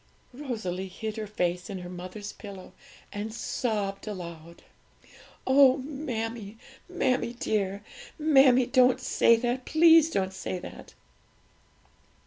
Rosalie hid her face in her mother's pillow and sobbed aloud. 'Oh, mammie, mammie dear! mammie, don't say that! please don't say that!'